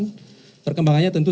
dan perkembangannya tentu